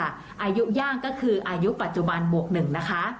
อายุย่างก็คืออายุปัจจุบันบวก๑นะคะ